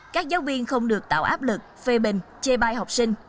các giáo viên không được tạo áp lực phê bình chê bai học sinh